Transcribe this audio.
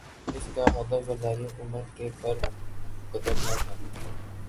اس کا ہدف زرداری حکومت کے پر کترنا تھا۔